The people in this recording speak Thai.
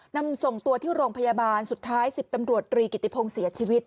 นำส่งตัวที่โรงพยาบาลสุดท้าย๑๐ตำรวจตรีกิติพงศ์เสียชีวิต